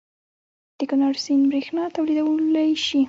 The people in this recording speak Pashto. د کنړ سیند بریښنا تولیدولی شي؟